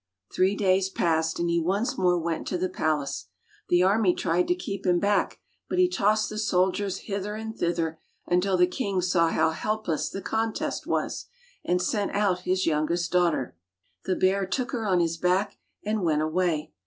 Three days passed, and he once more went to the palace. The army tried to keep him back, but he tossed the soldiers hither and thither until the king saw how helpless the contest was, and sent out his youngest daughter. The bear took her on his back and went away.